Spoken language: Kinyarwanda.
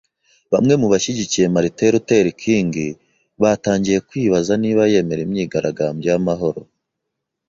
Bamwe mu bashyigikiye Martin Luther King batangiye kwibaza niba yemera imyigaragambyo y'amahoro